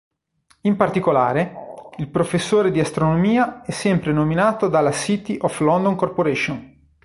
In particolare, il professore di astronomia è sempre nominato dalla "City of London Corporation".